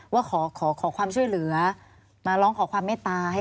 ว่าขอขอความช่วยเหลือมาร้องขอความเมตตาให้